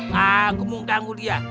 nah aku mau ganggu dia